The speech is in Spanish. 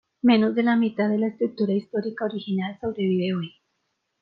Menos de la mitad de la estructura histórica original, sobrevive hoy.